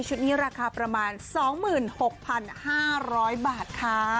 นี้ราคาประมาณ๒๖๕๐๐บาทค่ะ